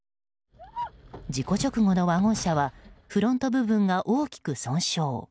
事故直後のワゴン車はフロント部分が大きく損傷。